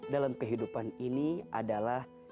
dalam kehidupan ini adalah